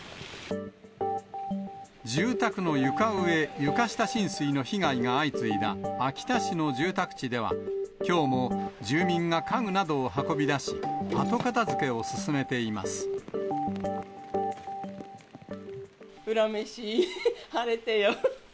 住宅の床上・床下浸水の被害が相次いだ秋田市の住宅地では、きょうも住民が家具などを運び出し、恨めしい、晴れてよ。